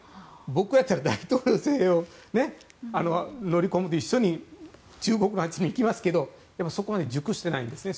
僕がいたら大統領邸に乗り込むのと一緒に中国のあっちに行きますがそこまで熟していないんですね。